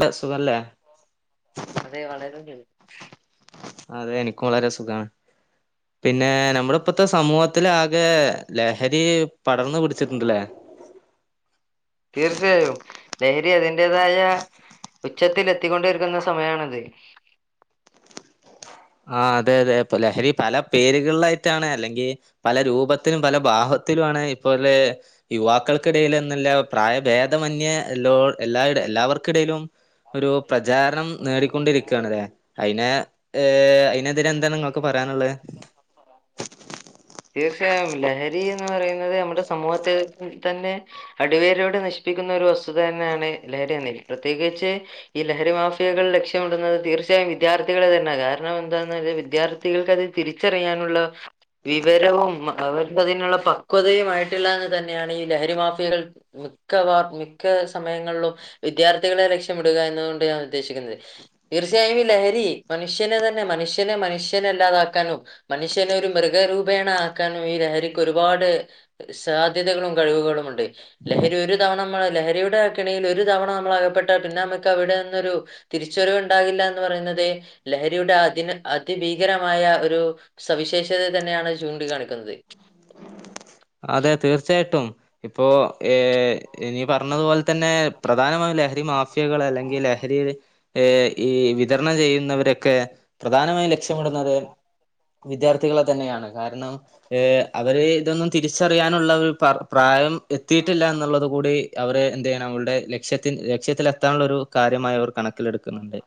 Bus അതെ വളരണ്ട അതെ എനിക്കും വളരെ സുഖമാണ് പിന്നെ നമ്മുടെ ഇപ്പോത്തെ സമൂഹത്തി ആകെ ലഹരി പടർന്ന പിടിച്ചിട്ടുണ്ടല്ലേ [inaudible] തീർച്ചയായും ലഹരി അതിന്റേതായ ഉച്ചത്തിൽ എത്തിക്കൊണ്ടിരിക്കുന്ന സമയണത് [inaudible] ആ അതെ അതെ അൊ ലഹരി പല പേരുകളിലായിട്ടാണ് അല്ലെങ്കിൽ പല രൂപത്തിനും പല ഭാാവ ത്തിലുമാണ് ഇപ്പോല യുവാക്കൾക്കിടയില്ന്നുല്ല പ്രായ ഭേദമന്യ എല്ലോ എല്ലായിടെ എല്ലാവർക്കിടയിലും ഒരു പ്രചാരണം നേടിക്കൊണ്ടിരിക്കയാണ്ലെ അയിനെ ഏർ അയിനെതിരെ എന്ത് നിങ്ങൾക്ക് പറയാനുള്ളെ ഈന്ന് പറയുന്നത് നമ്മുടെ സമൂഹത്തി തന്നെ അടിവേരോടെ നശിപ്പിക്കുന്ന ഒരു വസ്തുത തന്നെയാണ് ലഹരിണ് പ്രത്യേകിച്ച് ഈ ലഹരി മാഫിയകളുടെ ലക്ഷ്യ ടുന്നത് തീർച്ചയായും വിദ്യാർത്ഥികളെ തന്നെ കാരണം എന്താണ വിദ്യാർത്ഥികൾക്ക് അത് തിരിച്ചറിയാനുള്ള വിവരവും അവർക്ക്തിനുള്ള പക്വതയുആയിട്ടില്ല എന്ന് തന്നെയാണ് ഈ ലഹരി മാഫിയകൾ മിക്കവാർ മിക്ക സമയങ്ങളിലും വിദ്യാർത്ഥികളെ ലക്ഷ്യമിടുക എന്നുകൊണ്ട് ഞാൻ ഉദ്ദേശിക്കുന്നത് തീർച്ചയായും ഈ ലഹരി മനുഷ്യനെ തന്നെ മനുഷ്യനെ മനുഷ്യനെല്ലാതാക്കാനും മനുഷ്യനെ ഒരു മൃ എ രൂപേണ ആക്കാനും ഈ ലഹരിക്ക് ഒരുപാട് സാധ്യതകളും കഴിവുകളും ഉണ്ട് ലഹരി ഒരു തവണ മ്മ ലഹരിയുടെ കെണിയിൽ ഒരു തവണ നമ്മള അകപ്പെെട്ട പിന്നെ നമുക്ക് അവിടെന്നൊരു തിരി ചെരുവുണ്ട അത് തന്നെയാണ് ചൂണ്ടാണിക്കുന്നത് [unintelligible] അതെ തീർച്ചയായിട്ടും ഇപ്പോ ഏ ഇനി പറഞ്ഞതുപോലെ തന്നെ പ്രധാനമായ ലഹരി മാഫിയകൾ അല്ലെങ്കിൽ ലഹരി ഈ വിതരണം ചെയ്യുന്നവരൊക്കെ പ്രധാനമായി ല ക്ഷമിടുന്നത് വിദ്യാർത്ഥികളെ തന്നെയാണ് കാരണം എ അവര് ഇതൊന്നും തിരിച്ചറിയാനുള്ള ഒരു പ്ര പ്രായം എത്തിയിട്ടില്ല എന്നുള്ളത് കൂടി അവര് എന്തേയ്യണം അവളുടെ ലക്ഷ്യ ലക്ഷ്യത്തി രക്ഷ്യത്തിലെത്താനുള്ള ഒരു കാര്യമായ അവർ കണക്ക എടുക്കുന്നുണ്ട്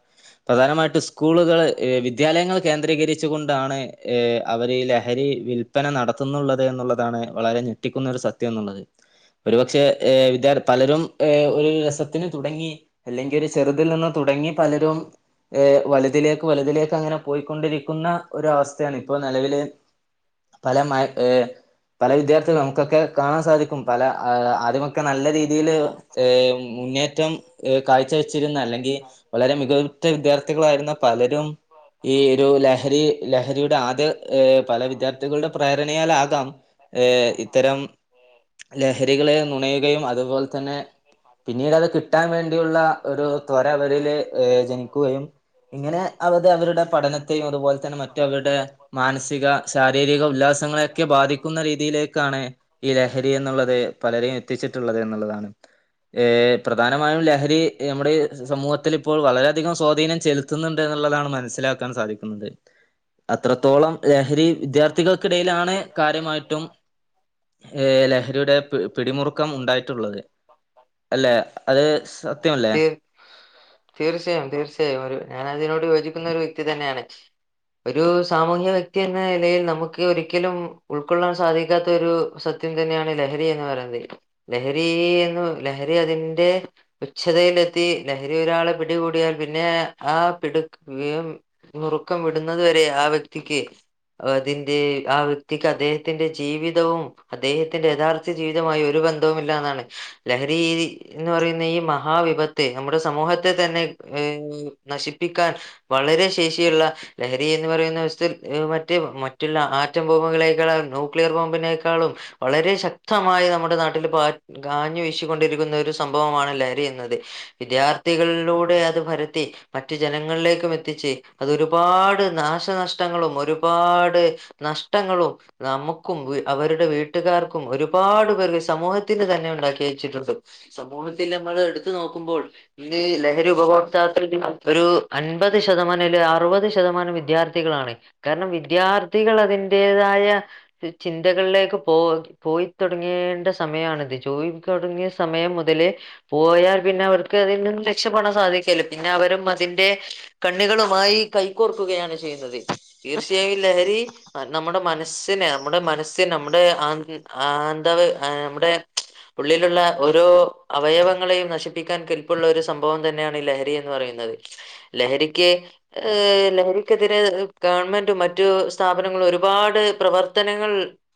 പ്രധാനമായിട്ടും സ്കൂളുകൾ വിദ്യാലയങ്ങൾ കേന്ദ്രീകരിച്ചു കൊണ്ടാണ് അവർ ഈ ലഹരി വിൽപന നടത്തുന്നുള്ളത് എന്നുള്ള അതാണ് വളരെ ഞെട്ടിക്കുന്ന ഒരു സത്യം എന്നുള്ളത് ഒരുപക്ഷെ വിധ്യാർത്പലരും ഒരു രസത്തിന് തുടങ്ങി അല്ലെങ്കിൽ ഒരു ചെറുതിൽ നിന്ന് തുടങ്ങി പലരും ഏ വലുതിലേക്ക് വലുതിലേക്ക് അങ്ങനെ പോയിക്കൊണ്ടിരിക്കുന്ന ഒ അവസ്ഥയാണ് ഇപ്പോനിലവില് പല മയക് ഏർ പല വിദ്യാർത്ഥികളൾ നമുക്കൊക്കെ കാണാൻ സാധിക്കും പല ആദ്യമൊക്കെ നല്ല രീതിയില് ഏമ്മ് മുന്നേറ്റം ഏ കാഴ്ചവെച്ചിരുന്ന അല്ലെങ്കിൽ വളരെ മികവുറ്റ വിദ്യാർത്ഥികളായിരുന്ന പലരും ഈ ഒരു ലഹരി ലഹരിയുടെ ആദ്യ ഏ പല വിദ്യാർത്ഥികളുടെ പ്രേരണയാൽആകാം ഏ ഇത്തരം ലഹരികളെ നുണയുകയും അതുപോലെ തന്നെ പിന്നീട് അത് കിട്ടാൻ വേണ്ടിയുള്ള ഒരു ത്വര അവരില് ഏ ജനിക്കുകയും ഇങ്ങനെ അവരടെ അവരുടെ പഠനത്തെയും അതുപോലെ തന്നെ മറ്റ് അവരുടെ മാനസിക ശാ ശാരീരിക ഉല്ലാസങ്ങളൊക്കെ ബാധിക്കും ന്ന രീതിയിലേക്കാണ് ഈ ലഹരി എന്നുള്ളത് പലരെയും എത്തിച്ചിട്ടുള്ളത് എന്നുള്ളതാണ് ഏ പ്രധാനമായും ലഹരി നമ്മുടെ സമൂഹത്തിൽ ഇപ്പോൾ വളരെയധികം സ്വാധീനം ചെലുത്തുന്നുണ്ട് എന്നുള്ളതാണ് മനസ്സിലാക്കാൻ സാധിക്കുന്നത് അത്രത്തോളം ലഹരി വിദ്യാർത്ഥികൾക്കിടയിലാണ് കാര്യമായിട്ടും ഏർ ലഹരിയുടെ പി പിടിമുറുക്കം ഉണ്ടായിട്ടുള്ളത് അല്ലെ അത് സത്യമല്ലേ തീർ തീർച്ചയായും തീർച്ചയായും ഒരു ഞാനൻ അതിനോട് യോജിക്കുന്ന ഒരു വെ ക്തി തന്നാണ് ഒരു സാമൂഹ്യ വ്യക്തി ന്ന നിലയിൽ നമുക്ക് ഒരിക്കലും ഉൾക്കൊള്ളാൻ സാധിക്കാത്ത ഒരു സത്യം തന്നെയാണ് ലഹരി എന്ന് പറയുന്നത് ലഹരി എന്ന് ലഹരി അതിന്റെ ഉച്ഛതയിലെത്തി ലഹരി ഒരാളെ പിടികൂടി ടിയാൽ പിന്നെ ആ പിടുക്ക നുറുക്കം വിടുന്നുന്നത് വരെ ആ വ്യക്തിക്ക് അതിന്റെ ആ വ്യക്തിക്ക് അദ്ദേഹത്തിന്റെ ജീവിതവും അദ്ദേഹത്തിന്റെ യഥാർത്ഥ ജീവിതമായി ഒരുപ ബന്ധവുമില്ല എന്നതാണ് ലഹരി എന്ന് പറയുന്ന ഈ മഹാവിപത്ത് നമ്മുടെ സമൂഹത്തെ തന്നെ ഏ നശിപ്പിക്കാൻ വളരെ ശേഷിയുള്ള ലഹരി എന്ന് പറയുന്ന അവസ്ഥൽ എ മ മറ്റ മറ്റുള്ള ആറ്റം ബോംബുകളെക്കാൾ ന്യൂക്ലിയർ ബോമ്പിനെക്കാളും വളരെ ശക്തമായി നമ്മുടെ നാടി നാട്ടിൽ പാ കാഞ്ഞു വീശൊണ്ടിരിക്കുന്ന ഒരു സംഭവമാണ് ലഹരി എന്നത് വിദ്യാർത്ഥികളിലൂടെ അത് പരത്തി മറ്റു ജനങ്ങളിലേക്കും മെത്തിച് അത് ഒരുപാട് നാശനഷ്ടങ്ങളും ഒരു ഒരുപാട് നഷ്ടങ്ങളും നമുക്കും അവരുടെ വീട്ടുകാർക്കും ഒരുപാട് പേർക്ക് സമൂഹത്തിന് തന്നെ ഉണ്ടാക്കി വെച്ചിട്ടുണ്ട് സമൂഹത്തിൽ നമ്മൾ എടുത്ത് നോക്കുമ്പോൾ ഇന്ന് ലഹരി ഉ പ കൊറച്ചായിട്ട് ഒരു അൻപത് ശതമാനം അയില് അറുപത് ശതമാനം വിദ്യാർത്ഥികളാണ് കാരണം വിദ്യാർത്ഥികൾ അതിന്റെതായ ചി ചിന്തകളിലേക്ക് പോ പോ പോയി തൊട്ങ്ങി തിന്റെ സമയാണത് പോയി തൊട്ങ്ങിയ സമയം മുതല് പോയാൽ പിന്നെ അവർക്ക് അതിൽ രക്ഷ ണ സാധിക്കല്ല പിന്നെ അവരും അതിന്റെ കണ്ണുകളുമായി കൈക്കോർക്കുകയാണ് ചെയ്യുന്നത് തീർച്ചയായും ലഹരി നമ്മുടെ മനസ്സിനെ നമ്മുടെ മനസ്സിനെ നമ്മുടെ ആ തവ് നമ്മുടെ ഉള്ളിലുള്ള ഓരോ അവയവങ്ങളെയും നശിപ്പിക്കാൻ കല്പ്പുള്ള ഒരു സംഭവം തന്നെയാണ് ഈ ലഹരി എന്ന് പറയുന്നത് അത് ലഹരിക്ക് ലഹരിക്കെതിരെ ഗവൺമെന്റും മറ്റു സ്ഥാപനങ്ങളും ഒരുപാട് പ്രവർത്തനങ്ങൾ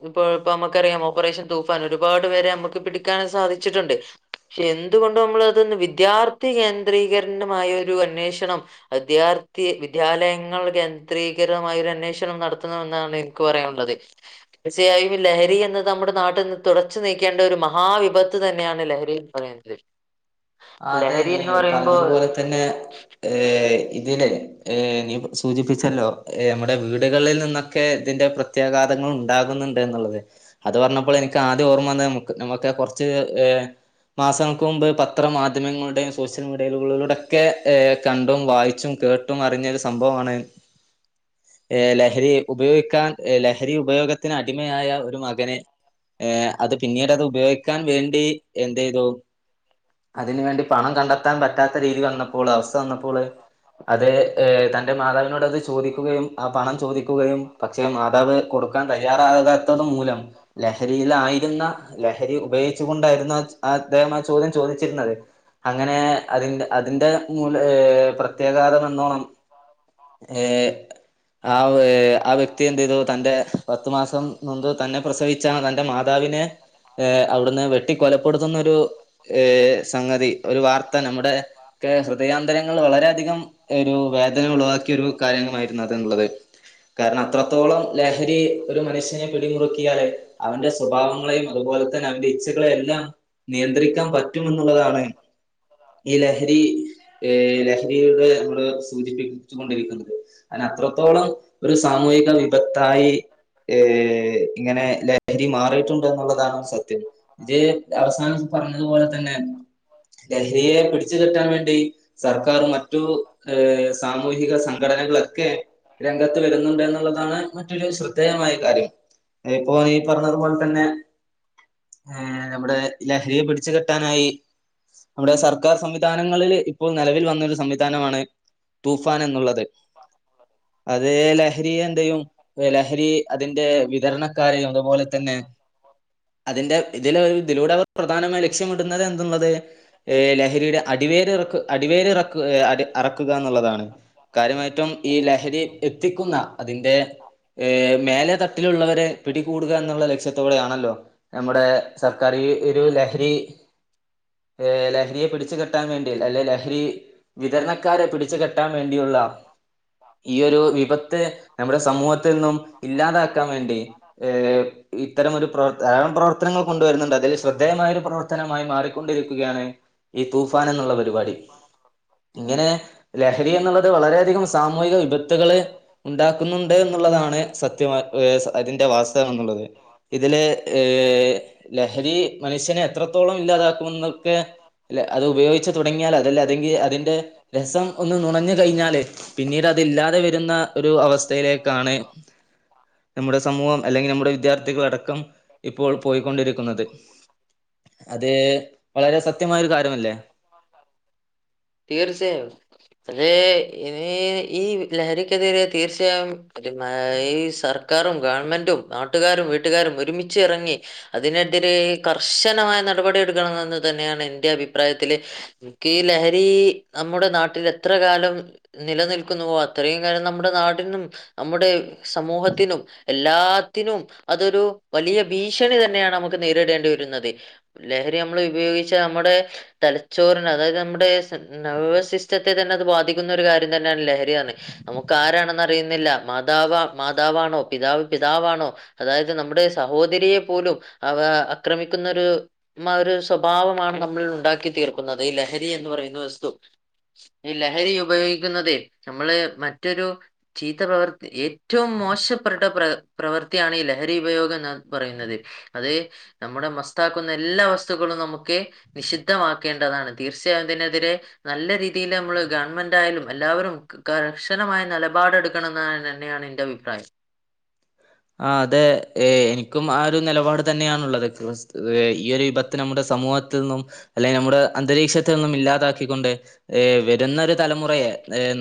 ഇപ്പോ ഇപ്പോ നമുക്കറിയാം ഓപ്പറേഷൻ തൂഫാൻ ഒരുപാട് പേരെ നമ്മക്ക് പിടിക്കാൻ സാധിച്ചിട്ടുണ്ട് പക്ഷെ എന്തുകൊണ്ട് നമ്മളതന്ന് വിദ്യാർത്ഥി കേന്ദ്രീകരണമായ ഒരു അന്വേഷണം വിദ്യാർത്ഥി വിദ്യാലയങ്ങൾ കേ ചിത്രീകരമായരു അന്വേഷണം നടത്തുന്നതെന്നാണ് എനിക്ക് പറയാനുള്ളത് തീർച്ചയായും ലഹരി എന്ന് നമ്മുടെ നമ്മുടെ നാട്ടിൽന്ന് തുടച്ചു നീക്കേണ്ട ഒരു മഹാവിപത്ത് തന്നെയാണ് ലഹരിന്ന് പറയുന്നത്. അതെ ലഹരി നീ എന്ന് പറഞ്ഞതുപോലെ പറയുമ്പോ തന്നെ ഏ ഇതില് ഏ നീ പ്പോ സൂചിപ്പിച്ചല്ലോ നമ്മടെ വീടുകളിൽ നിന്നൊക്കെ ഇതിന്റെ പ്രത്യാഘാതങ്ങൾ ഉണ്ടാകു ന്നുണ്ട്ന്ന്ള്ളത് അത് പറഞ്ഞപ്പോൾ എനിക്ക് ആദ്യ ഓർമ്മന്ന നമുക്ക് കൊറച്ച് മാസങ്ങൾക്ക് മുമ്പ് പത്ത് അത്ര മാധ്യമങ്ങളുടെയും സോഷ്യൽ മീഡിയകിലൂടെക്കെ കണ്ടും വായിച്ചും കേട്ടും അറിഞ്ഞരു സംഭവമാണ് [unintelligible] ഏ ലഹരി ഉപയോഗിക്കാൻ ലഹരി ഉപയോഗത്തിന് അടിമയായ ഒരു മകനെ ഏ അത് പിന്നീടത് ഉപയോഗിക്കാൻ വേണ്ടി എന്തേയ്തു അതിന് വേണ്ടി പണം കണ്ടെത്താൻ പറ്റാത്ത രീതി വന്നപ്പോള് അവസ്ഥ വന്നപ്പോള് അത് തന്റെ മാതാവിനോട് അത് ചോദിക്കുകയും ആ പണം ചോദിക്കുകയും പക്ഷെ മാതാവ് കൊടു കൊടുക്കാൻ തയ്യാറാകാത്തത് മൂലം ലഹരിയിലായിരുന്ന ലഹരി ഉപയോഗിച്ചുകൊണ്ടായിരുന്ന അദ്ദേഹം ആ ചോദ്യം ചോദിച്ചിരുന്നത് അങ്ങനെ അതിന്റെ അതിന്റെ മൂല ഏ പ്രത്യേകാതം എന്നോണം ഏ ആ ആ വ്യക്തി എന്തയ്തു തന്റെ പത്തു മാസം നൊന്തു തന്നെ പ്രസവിച്ചാ തന്റെ മാതാവി പിന്നെ അവിടുന്ന് വെട്ടി കൊലപ്പെടുത്തുന്ന ഒരു സംഗതി. ഒരു വാർത്ത നമ്മുടെക്കേ ഹൃദയാന്തരങ്ങൾ വളരെയധികം ഒരു വേദന ഉളവാക്കിയ ഒരു കാര്യ മായിരുന്നു അത് ന്ന്ള്ളത്. കാരണം അത്രത്തോളം ലഹരി ഒരു മനുഷ്യനെ പിടിമുറുക്കിയാല് അവന്റെ സ്വഭാവങ്ങളെയും അതുപോലെ അതുപോലെ തന്നെ അവന്റെ ഇച്ച്ചകളെ എല്ലാം നിയന്ത്രിക്കാൻ പറ്റും എന്നുള്ളതാണ് ഈ ലഹരി ഏ ലഹരിയുടെ നമ്മള് സൂചിപ്പിച്ചു കൊണ്ടിരിക്കുന്നത് അയിന് അത്രത്തോളം ഒരു സാമൂഹിക വിപത്തായി ഏ ഇങ്ങനെ ലഹരി മാറിയിട്ടുണ്ട്. എന്നുള്ളതാണ് സത്യം. ഇത് അവസാനം അതുപോലെ തന്നെ ഡൽഹിയെ പിടിച്ചുകെറ്റാൻ വേണ്ടി സർക്കാർ മറ്റു ഏ സാമൂഹിക സംഘടന നകളൊക്കെ രംഗത്ത് വരുന്നുണ്ട് എന്നുള്ളതാണ് മറ്റൊരു ശ്രദ്ധേയമായ കാര്യം ഇപ്പോ ഈ പറഞ്ഞതുപോലെ തന്നെ നമ്മുടെ ലഹ രിയെ പിടിച്ചു കെട്ടാനായി നമ്മുടെ സർക്കാർ സംവിധാനങ്ങളിൽ ഇ ഇപ്പോൾ നെലവിൽ വന്നൊരു സംവിധാനമാണ് തൂഫാൻ എന്നുള്ളത്. അത് ലഹരിയെ എന്തയും ലഹരി അതിന്റെ വിതരണക്കാരെയും അതുപോലെ തന്നെ അതിന്റെ ഇതിലൊരു ഇതിലൂടെ പ്രധാന ലക്ഷ്യമിടുന്നത് എന്നുള്ളത് ലഹരിയുടെ അടിവേരി അടിവേറി ഇറക്ക അറക്കുക. എന്നുള്ളതാണ് കാര്യമായിട്ടും ഈ ലഹരി എത്തിക്കുന്ന അതിന്റെ മേലെ തട്ടിലുള്ളവരെ പിടികൂടുക എന്നുള്ള ലക്ഷ്യത്തി ഇപ്പൊവിടെയാണല്ലോ നമ്മുടെ സർക്കാർ ഒരു ലഹരി ഏ ലഹരിയെ പിടിച്ചു കെട്ടാൻ വേണ്ടിയി അല്ലെ ലഹരി വിതരണക്കാരെ പിടിച്ചു കെട്ടാൻ വേണ്ടിയുള്ള ഈ ഒരു വിപത്ത് നമ്മുടെ സമൂഹത്തിൽ നിന്നും ഇല്ലാതാക്കാൻ വേണ്ടി ഏർ ഇത്തരം ഒരു പ്ര [unintelligible] ധവള പ്രവർത്തനങ്ങൾ കൊണ്ടുവരുന്നുണ്ട് അതിൽ ശ്രദ്ധേയമായൊരു പ്രവർത്തനമായി മാറിക്കൊണ്ടിരിക്കുകയാണ് ഈ തൂഫാൻ എന്നുള്ള പരിപാടി ഇങ്ങനെ ലഹരി എന്നുള്ളത് വളരെയധികം സാമൂഹിക വിപത്തുകൾ ഉണ്ടാക്കുന്നുണ്ട് എന്നുള്ളതാണ് സത്യ അതിന്റെ [unintelligible] വാസ്തവം എന്നുള്ളത് ഇതില ലഹരി മനുഷ്യനെ എത്രത്തോളം ഇല്ലാതാക്കും എന്നൊക്കെ അല്ല അത് ഉപയോഗിച്ച് തുടങ്ങിയാൽ അതല്ല അതെങ്കിൽ അതിന്റെ രസം ഒന്ന് നുണഞ് കഴിഞ്ഞാല് പിന്നീട് അതില്ലാതെ വരുന്ന ഒരു അവസ്ഥയിലേക്കാണ് നമ്മുടെ സമൂഹം അല്ലെങ്കിൽ നമ്മുടെ വിദ്യാർത്ഥികള അടക്കം ഇപ്പോൾ പോയിക്കൊണ്ടിരിക്കുന്നത് അതേ തീർച്ചയായും അതേ ഇനി ഈ ലഹരിക്കെതിരെ തീർച്ചയായും ഒരു ഈ സർ ക്കറും ഗവൺമെന്റും നാട്ടുകാരും വീട്ടുകാരും ഒരുമിച്ചച്ച് ഇറങ്ങി അതിനെതിരെ കർശനമായ നടപടി എടുക്കണം എന്നത് തന്നെയാണ് എന്റെ അഭിപ്രായത്തില്ക്ക്ഈ ലഹരി നമ്മുടെ നാട്ടിൽ എത്ര കാലം നിലനിൽക്കുന്നുവോ അത്രയും കാലം നമ്മുടെ നാടിന്നും നമ്മുടെ സമൂഹത്തിനും എല്ലാത്തിനും അതൊരു വലിയ ഭീഷണി തന്നെയാണ് നമുക്ക് നേരിടേണ്ടി വരുന്നത് ലഹരി നമ്മൾ ഉപയോഗിച്ച നമ്മുടെ തലച്ചോറിന് അതായത് നമ്മുടെ നർവസ് സിസ്റ്റത്തെ തന്നെ അത് ബാധിക്കുന്ന കാര്യ ര്യം തന്നെയല്ലെ ലഹരിയെന്നത് നമുക്ക് ആരാണെന്ന് അറിയുന്നില്ല മാത മാതാവാണോ പിതാവ് പിതാവാ ണോ അതായത് നമ്മുടെ സഹോദരിയെ പോലും ആ ആക്രമിക്കുന്ന ഒരു സ്വഭാവമാണ് നമ്മിൽ ഉണ്ടാക്കി തീർക്കുന്നത് ഈ ലഹരി എന്ന് പറയുന്ന വസ്തു ഈ ലഹരി ഉപയോഗിക്കുന്നത് നമ്മള് മറ്റൊരു ചീത്ത പ്രവർത്തി ഏറ്റവും മോശപ്പെട്ട പ്ര പ്രവർത്തിയാണ് ഈ ലഹരി ഉപയോഗം എ പറയുന്നത് അത് നമ്മുടെ മ നസിലാക്കുന്ന എല്ലാവ വസ്തുക്കളും നമുക്ക് നിഷിദ്ധമാക്കേണ്ടതാണ് തീർച്ചയായും ഇതിനെതിരെ നല്ല രീതിയിൽ നമ്മൾ ഗവൺമെന്റ് ൻ്റായാലും എല്ലാവരും കർശനമായ നിലപാടെടുക്കണം മെന്ന് തന്നെയാണ് എൻ്റെ അഭിപ്രായം ആ അതെ ഏ എനിക്കും ആ നിലപാട് തന്നെയാണുള്ളത് ഈ ഒരു വിപത്ത് നമ്മുടെ സമൂഹത്തിൽ നിന്നും അല്ലെങ്കിൽ നമ്മുടെ അന്തരീക്ഷ ത്ത് നിന്നും ഇല്ലാതാക്കിക്കൊണ്ട് വരുന്ന ഒരു തലമുറയെ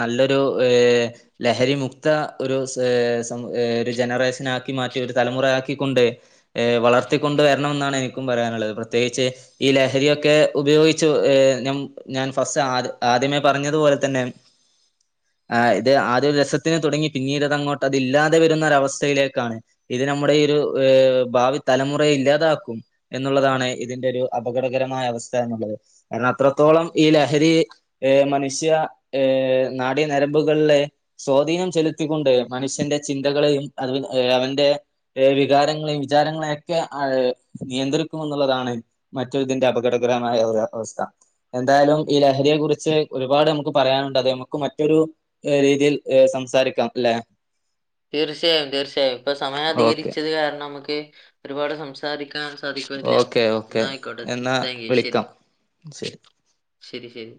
നല്ലൊരു ലഹരിമുക്ത ഒരു ഒരു ജനറേഷൻ നാക്കി മാറ്റി ഒരു തലമുറയാക്കിക്കൊണ്ട് വളർത്തിക്കൊണ്ട് വരണമെന്നാണ് എനിക്കും പറയാനുള്ളത് പ്രത്യേകിച്ച് ഈ ലഹരിയൊക്കെ ഉപയോഗിച്ചു ഏ ഞ ഞാൻ ഫസ്റ്റ് ആ ആദ്യമേ പറഞ്ഞതു പോലെ തന്നെ ആ് ഇത് ആദ്യ ഒരു രസത്തിന് തുടങ്ങി പിന്നീട് അതങ്ങോട്ട് അത് ഇല്ലാതെ വരുന്ന ഒരവസ്ഥയിലേക്ക് ക്കാണ് ഇത് നമ്മുടെ ഈ ഒരു ഭാവി തലമുറയെ ഇല്ലാതാക്കും എന്നുള്ളതാണ് ഇതിന്റെ ഒരു അപകടകരമായ അവസ്ഥ എന്നുള്ളത് കാരണം അത്രത്തോളം ഈ ലഹരി് മനുഷ്യ നാടീനരമ്പുകളിലെ സ്വാധീനം ചെലുത്തിക്കൊണ്ട് മനുഷ്യന്റെ ചിന്തകളെയും അത് ഏ അവന്റെ ഏ വികാരങ്ങളെയും വിചാരങ്ങളെ ഒക്കെ ആ നിയന്ത്രിക്കും എന്നുള്ളതാണ് മറ്റു ഇതിന്റെ അപകടം മായ അവസ്ഥ എന്തായാലും ഈ ലഹരിയെ കുുറിച്ച് ഒരുപാട് നമുക്ക് പറയാനുണ്ട് അത് നമുക്ക് മറ്റൊരു രീതിയിൽ സംസാരിക്കാം അല്ലെ തീർച്ചയായും തീർച്ചയായും ഇപ്പൊ സമയം ഓക്കെ അധികരിച്ചത് കാരണം നമുക്ക് ഒരുപാട് സംസാരിക്കാൻ സാധിക്കല്ല ഓക്കെ എന്ന ഓക്കെ ആയിക്കോട്ടെ എന്നാ താങ്ക് യു ശരി വിളിക്കാം ശരി ശരി ശരി